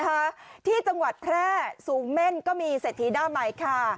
นะคะที่จังหวัดแพร่สูงเม่นก็มีเศรษฐีหน้าใหม่ค่ะ